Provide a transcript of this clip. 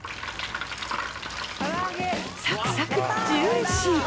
さくさく、、ジューシー。